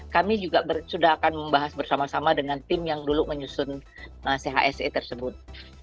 kami juga sudah akan membahas bersama sama dengan tim yang dulu menyusun chse tersebut